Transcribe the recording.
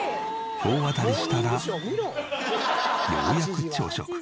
大当たりしたらようやく朝食。